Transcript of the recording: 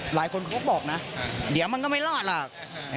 หลายคนเขาก็บอกนะเดี๋ยวมันก็ไม่รอดหรอก